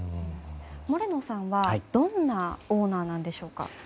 モレノさんはどんなオーナーなんでしょうか。